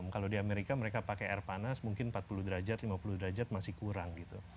kalau di amerika mereka pakai air panas mungkin empat puluh derajat lima puluh derajat masih kurang gitu